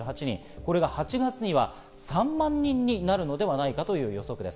これが８月には３万人になるのではないかという予測です。